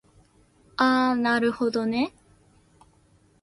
あなるほどね